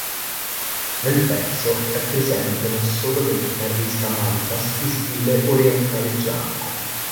Nel pezzo è presente un assolo del chitarrista Mantas in stile orientaleggiante.